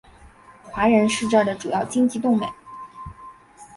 华人是这的主要经济动脉。